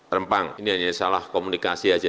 rempang ini hanya salah komunikasi saja